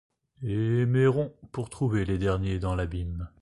Et Méron pour trouver les derniers dans l’abîme